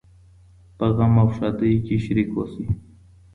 په غم او ښادۍ کي شريک اوسئ.